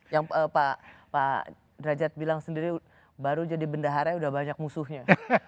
yang pak derajat bilang sendiri baru jadi bendaharanya udah banyak musuhnya